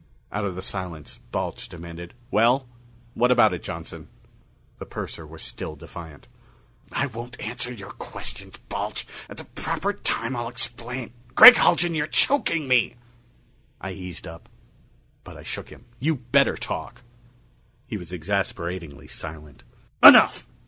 Out of the silence, Balch demanded, "Well, what about it, Johnson?" The purser was still defiant. "I won't answer your questions, Balch. At the proper time, I'll explain Gregg Haljan, you're choking me!" I eased up. But I shook him. "You'd better talk." He was exasperatingly silent. "Enough!"